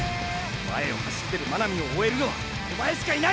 前を走ってる真波を追えるのはおまえしかいない！